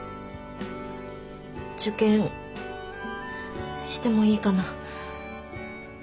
受験してもいいかな？